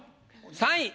３位。